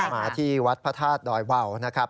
มาที่วัดพระธาตุดอยวาว